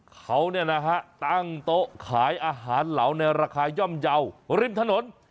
เขาตั้งโต๊ะขายอาหารเหลาในราคาย่อมเยาว์ริมถนน